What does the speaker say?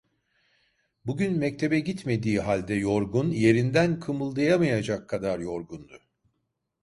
Bugün mektebe gitmediği halde yorgun, yerinden kımıldayamayacak kadar yorgundu.